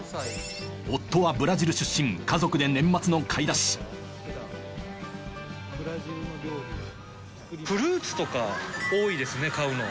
夫はブラジル出身家族で年末の買い出しフルーツとか多いですね買うの。